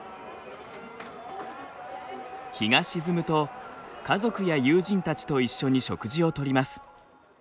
日が沈むと家族や友人たちと一緒に食事をとります。